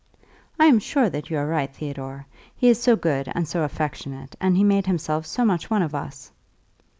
"I am sure that you are right, Theodore. He is so good and so affectionate, and he made himself so much one of us!"